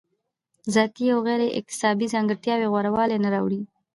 ذاتي او غیر اکتسابي ځانګړتیاوې غوره والی نه راوړي.